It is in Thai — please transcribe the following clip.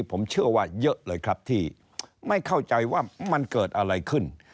ผมเชื่อว่าเยอะเลยครับที่ไม่เข้าใจว่ามันเกิดอะไรขึ้น